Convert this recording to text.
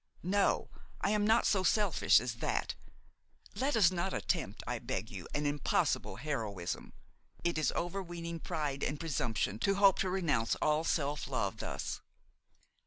No, I am not so selfish as that. Let us not attempt, I beg you, an impossible heroism; it is overweening pride and presumption to hope to renounce all self love thus.